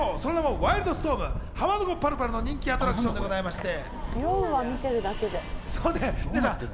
その名もワイルドストーム、浜名湖パルパルの人気アトラクションでございまして。